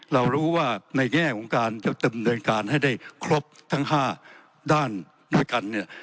เรารู้ว่าในแง่ของการจะดำเนินการให้ได้ครบทั้ง๕ด้านด้วยกันเนี่ย